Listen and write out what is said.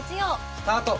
スタート！